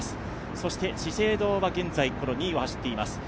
そして資生堂は現在、２位を走っています。